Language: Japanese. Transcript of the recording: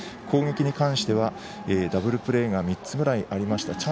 攻撃に関してはダブルプレーが３つぐらいありました。